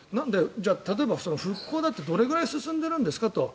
例えば、復興だってどれぐらい進んでいるんですかと。